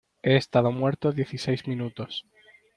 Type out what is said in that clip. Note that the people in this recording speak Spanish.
he estado muerto dieciséis minutos.